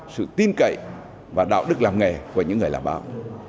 sự tin cậy và đạo đức làm nghề của những người làm báo